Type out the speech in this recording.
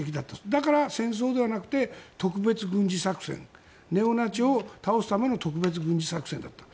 だから戦争ではなくてネオナチを倒すための特別軍事作戦だった。